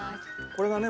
これがね